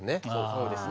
そうですね。